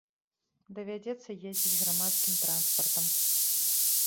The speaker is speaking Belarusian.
Давядзецца ездзіць грамадскім транспартам.